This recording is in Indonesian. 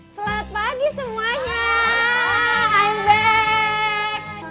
selamat pagi semuanya i'm back